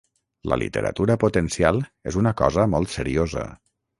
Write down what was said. La literatura potencial és una cosa molt seriosa.